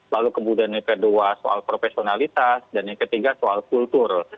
lalu kemudian yang kedua soal profesionalitas dan yang ketiga soal kultur